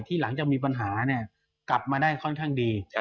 หลังจากมีปัญหากลับมาได้ค่อนข้างดี